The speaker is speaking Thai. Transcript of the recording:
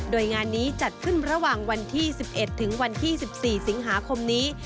โดยงานนี้จัดขึ้นระหว่างวันที่๑๑ถึงวันที่๑๔สิงหาคมนี้